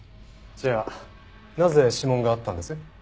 じゃあなぜ指紋があったんです？